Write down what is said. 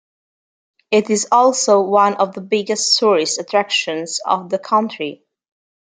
It is also one of the biggest tourist attractions of the country.